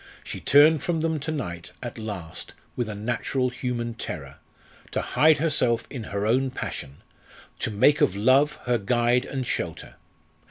She turned from them to night, at last, with a natural human terror, to hide herself in her own passion, to make of love her guide and shelter.